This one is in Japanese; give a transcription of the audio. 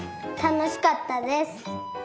たのしかったです。